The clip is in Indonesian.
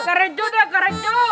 keren juga keren juga